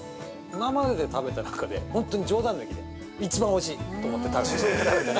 ◆今までで食べた中で本当に冗談抜きで一番おいしいと思って食べました。